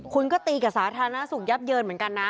คุณก็ตีกับสาธารณสุขยับเยินเหมือนกันนะ